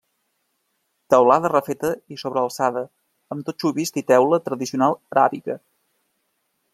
Teulada refeta i sobrealçada amb totxo vist i teula tradicional aràbiga.